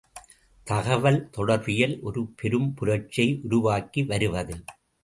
தகவல் தொடர்பியலில் ஒரு பெரும் புரட்சியை உருவாக்கி வருவது.